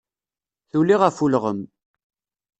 Tuli ɣef ulɣem.